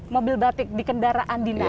mobil batik di kendaraan dinas